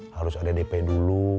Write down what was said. harus ada dp dulu